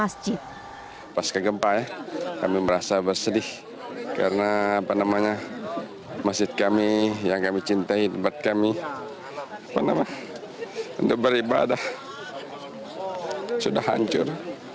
saya bersedih karena masjid kami yang kami cintai tempat kami untuk beribadah sudah hancur